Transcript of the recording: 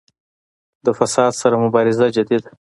د فساد سره مبارزه جدي ده؟